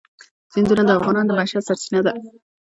سیندونه د افغانانو د معیشت سرچینه ده.